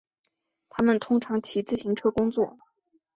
他们通常骑自行车工作。